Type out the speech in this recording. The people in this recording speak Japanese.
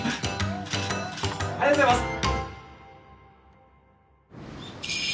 ありがとうございます！